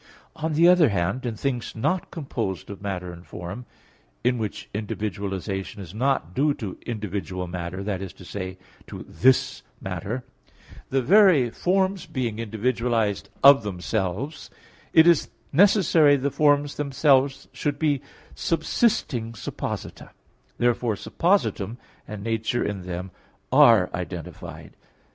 On the other hand, in things not composed of matter and form, in which individualization is not due to individual matter that is to say, to this matter the very forms being individualized of themselves it is necessary the forms themselves should be subsisting supposita. Therefore suppositum and nature in them are identified.